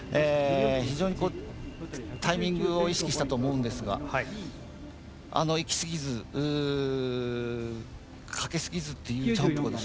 非常にタイミングを意識したと思うんですがいきすぎず、かけすぎずというジャンプをですね